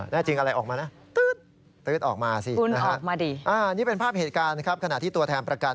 แน่จริงตุ๊ดออกมาดิแล้วมาทุบรถเลย